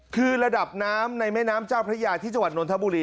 คือระดับน้ำในแม่น้ำเจ้าพระเยาะที่จัวร์นนท์ท่าบุรี